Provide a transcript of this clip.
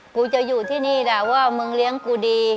กูจะอยู่ที่นี่ด่าว่ามึงเลี้ยงกูดี